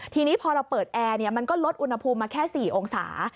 ทีนี้พอเราเปิดแอร์มันก็ลดอุณหภูมิมาแค่๔องศา